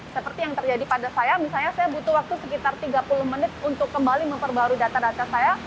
seperti yang terjadi pada saya misalnya saya butuh waktu sekitar tiga puluh menit untuk kembali memperbarui data data saya